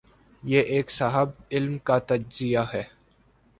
یہ ایک صاحب علم کا تجزیہ ہے۔